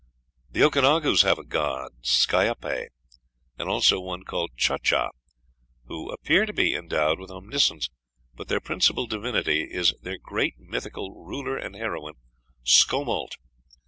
"The Okanagaus have a god, Skyappe, and also one called Chacha, who appear to be endowed with omniscience; but their principal divinity is their great mythical ruler and heroine, Scomalt.